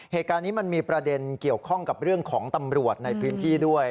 เหตุการณ์นี้มันมีประเด็นเกี่ยวข้องกับเรื่องของตำรวจในพื้นที่ด้วย